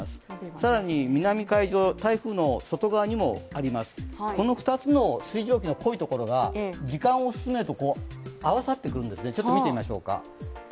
更に南海上台風の外側にもあります、この２つの水蒸気の濃いところが時間を進めると、合わさってくるんですね。